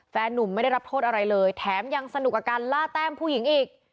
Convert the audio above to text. แฟนนุ่มไม่ได้รับโทษอะไรเลยแถมยังสนุกกับการล่าแต้มผู้หญิงอีก